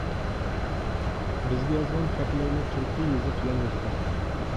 بىزگە يازغان خەتلىرىنى تۈركى يېزىق بىلەن يازىدۇ.